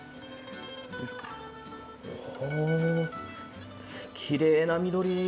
おおきれいな緑。